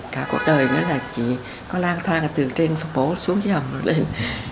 cả cuộc đời nó là chỉ có lang thang từ trên hầm mổ xuống dưới hầm rồi lên